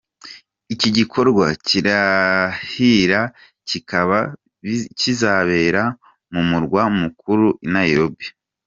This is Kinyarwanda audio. iki gikorwa k’irahira kikaba kizabera mu murwa mukuru I Nairobi.